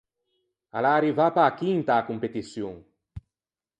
A l’é arrivâ pe-a chinta a-a competiçion.